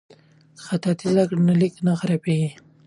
که خطاطي زده کړو نو لیک نه خرابیږي.